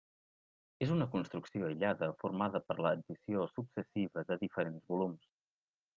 És una construcció aïllada formada per l'addició successiva de diferents volums.